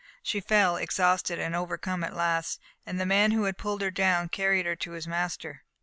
She fell, exhausted and overcome at last, and the man who had pulled her down carried her to his master.